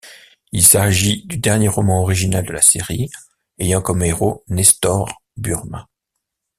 Il s'agit du dernier roman original de la série ayant comme héros Nestor Burma.